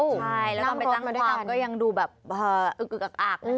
นำรถมาด้วยกันใช่แล้วต้องไปจังความก็ยังดูแบบอึกอึกอักนะครับ